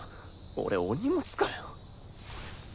俺お荷物かよ。